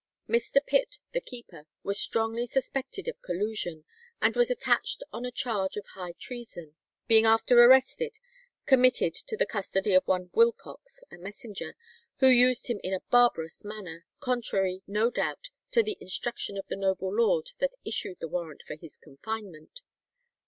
Mr. Pitt, the keeper, was strongly suspected of collusion, and was attached on a charge of high treason, being after arrested committed to the custody of one Wilcox, a messenger, "who used him in a barbarous manner, contrary, no doubt, to the instruction of the noble lord that issued the warrant for his confinement."